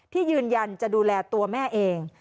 ที่ยืนยันจะดูแลตัวแม่เอง